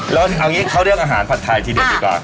แล้วเอางี้เขาเรียกอาหารผัดไทยทีเดียวดีกว่า